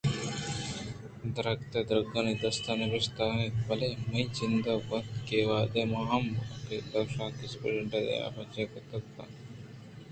دِرتگ ءُدگرٛانی دست ءَ نبشتہ اَنت بلئے منی جند گواہ اِنت کہ وہدے من ہمے کاگد کش اِت ءُسپرنٹنڈنٹ ءِ دیمءَ پچ کُت گڑا آئیءِ جند ءَ ابید آئی ءِ لوگ بانک ءَ ہم اے گپ ءِ راستی کُرتگ کہ اے کلام ءِ دست رند اِنت